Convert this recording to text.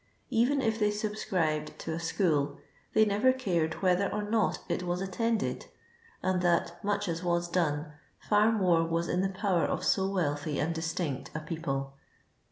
Kven if they subscribed to a school, they never cared whether or not it was attended, and that, much as was done, fiir more was in the power of so wealthy and distinct a I)eopIe.